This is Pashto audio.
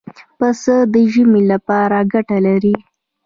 پسه د ژمې لپاره ګټه لري.